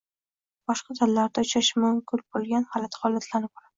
Boshqa tillarda uchrashi mushkul bo’lgan g’alati holatlarni ko’ramiz.